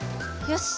よし！